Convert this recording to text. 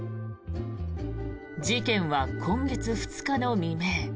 事件は今月２日の未明